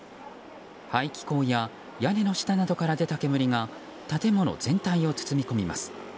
排気口や屋根の下などから出た煙が建物全体を包み込みます。